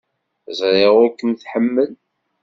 Ẓriɣ ur kem-tḥemmel.